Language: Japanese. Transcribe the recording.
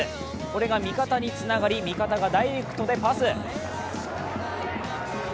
これが味方につながり、味方がダイレクトでパス。